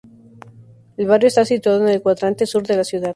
El barrio está situado en el cuadrante sur de la ciudad.